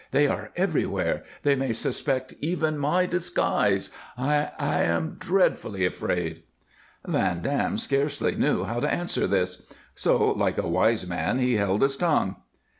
They are everywhere. They may suspect even my disguise. I I am dreadfully afraid." Van Dam scarcely knew how to answer this. So, like a wise man, he held his tongue.